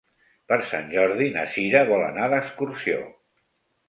Per Sant Jordi na Cira vol anar d'excursió.